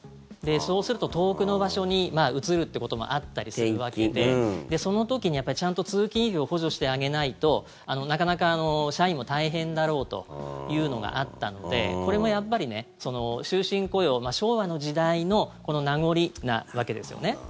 そうすると、遠くの場所に移るということもあったりするわけでその時にちゃんと通勤費を補助してあげないとなかなか社員も大変だろうというのがあったのでこれもやっぱり終身雇用昭和の時代の名残なわけですよね。